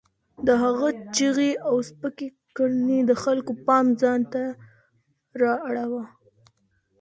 د هغه چیغې او سپکې کړنې د خلکو پام ځان ته رااړاوه.